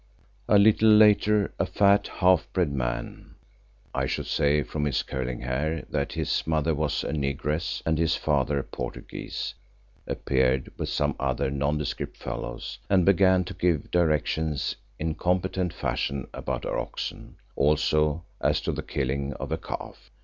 A little later a fat, half breed man—I should say from his curling hair that his mother was a negress and his father a Portuguese—appeared with some other nondescript fellows and began to give directions in a competent fashion about our oxen, also as to the killing of a calf.